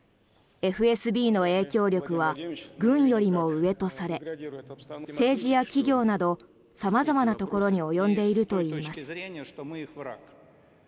ＦＳＢの影響力は軍よりも上とされ政治や企業など様々なところに及んでいるといいます。